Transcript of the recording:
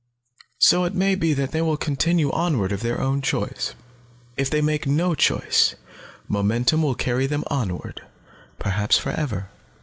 "So it may be that they will continue onward of their own choice. If they make no choice, momentum will carry them onward, perhaps forever.